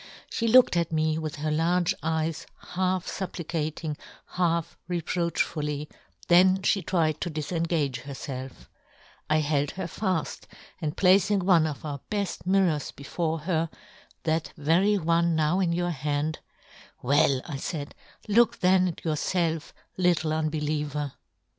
She " looked at me with her large eyes " half fupplicating, half reproach " fully, then fhe tried to difengage " herfelf I held her faft, and " placing one of our beft mirrors be " fore her, that very one now in " your hand—' Well,' I faid, ' look " then at yourfelf, little unbeliever.'